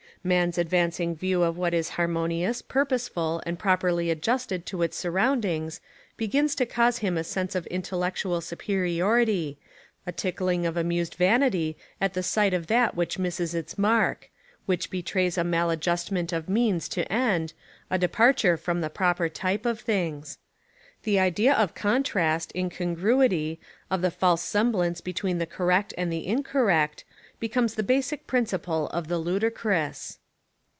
Man's advancing view of what is harmonious, purposeful and properly adjusted to its surroundings begins to cause him a sense of intellectual superiority, a tickling of amused vanity at the sight of that which misses its mark, which betrays a maladjustment of" means to end, a departure from the proper type of things. The idea of contrast, incon gruity, of the false semblance between the cor rect and the incorrect, becomes the basic prin ciple of the ludicrous.